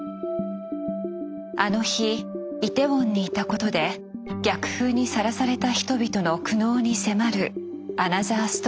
あの日イテウォンにいたことで逆風にさらされた人々の苦悩に迫るアナザーストーリー。